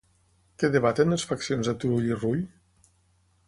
Què debaten les faccions de Turull i Rull?